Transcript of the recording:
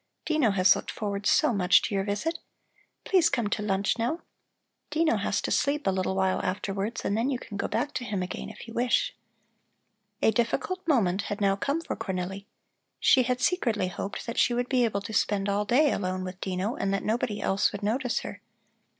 Dino has looked forward so much to your visit. Please come to lunch now. Dino has to sleep a little while afterwards, and then you can go back to him again, if you wish." A difficult moment had now come for Cornelli. She had secretly hoped that she would be able to spend all day alone with Dino, and that nobody else would notice her.